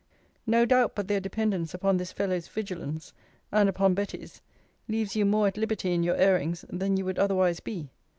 No doubt but their dependence upon this fellow's vigilance, and upon Betty's, leaves you more at liberty in your airings, than you would otherwise be.